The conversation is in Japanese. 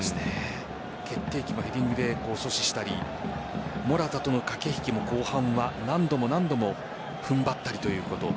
決定機もヘディングで阻止したりモラタとの駆け引きも後半は何度も何度も踏ん張ったりと。